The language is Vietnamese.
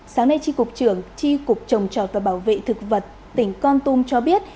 sáng nay tri cục trưởng tri cục trồng trọt và bảo vệ thực vật tỉnh con tum cho biết